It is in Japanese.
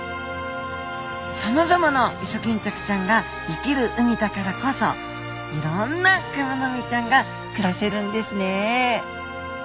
さまざまなイソギンチャクちゃんが生きる海だからこそいろんなクマノミちゃんが暮らせるんですね！